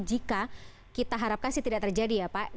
jika kita harapkan sih tidak terjadi ya pak